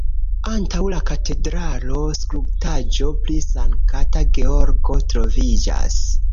Antaŭ la katedralo skulptaĵo pri Sankta Georgo troviĝas.